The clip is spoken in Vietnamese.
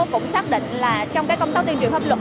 cũng xác định là trong cái công tác tuyên truyền pháp luật